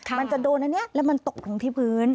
มันจะโดนอันนี้แล้วมันตกลงที่พื้น